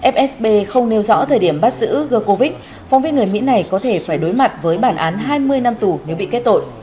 fsb không nêu rõ thời điểm bắt giữ gocovite phóng viên người mỹ này có thể phải đối mặt với bản án hai mươi năm tù nếu bị kết tội